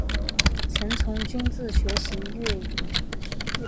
曾从尹自重学习粤曲。